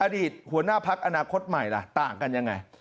อดีตหัวหน้าพักอนาคตใหม่ล่ะต่างกันยังไง